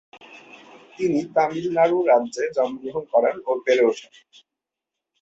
তিনি তামিলনাড়ু রাজ্যে জন্মগ্রহণ করেন ও বেড়ে ওঠেন।